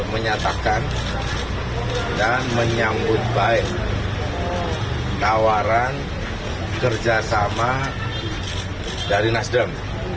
menyatakan dan menyambut baik tawaran kerjasama dari nasdem